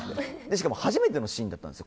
しかも初めてのシーンだったんです